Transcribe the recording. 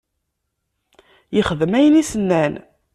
Yexdem ayen i s-nnan.